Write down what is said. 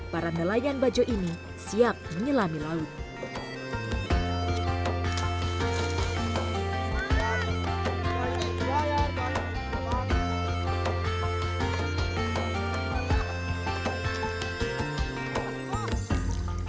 para nelayan bajo ini siap menyelami laut